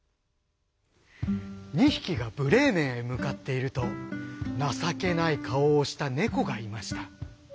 ２ひきがブレーメンへむかっているとなさけないかおをしたネコがいました。